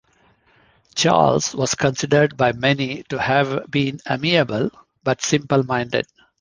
Charles was considered by many to have been amiable, but simple-minded.